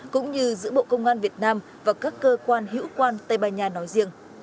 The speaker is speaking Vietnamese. cũng như giữa bộ công an việt nam và các cơ quan hữu quan tây ban nha nói riêng